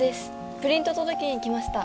プリント届けに来ました